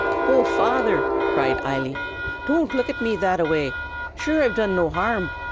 "Oh, Father!" cried Eily; "don't look at me that a way! Sure, I've done no harrum!